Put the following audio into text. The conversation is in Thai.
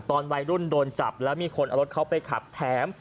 ตอนวัยรุ่นโดนจับแล้วมีคนเอารถเขาไปขับแถม